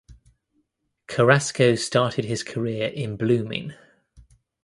Carrasco started his career in Blooming.